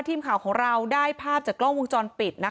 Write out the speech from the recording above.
ทีมข่าวของเราได้ภาพจากกล้องวงจรปิดนะคะ